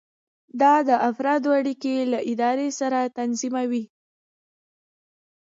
دا د افرادو اړیکې له ادارې سره تنظیموي.